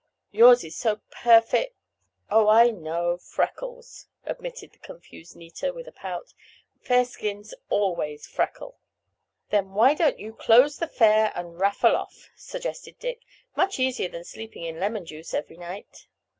"Yours is so perfect—" "Oh, I know—freckles," admitted the confused Nita with a pout. "Fair skins always freckle." "Then why don't you close the 'fair' and raffle off," suggested Dick. "Much easier than sleeping in lemon juice every night."